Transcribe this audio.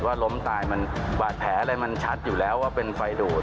ล้มตายมันบาดแผลอะไรมันชัดอยู่แล้วว่าเป็นไฟดูด